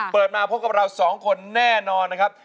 เปิดมาพบกับเราสองคนแน่นอนนะครับ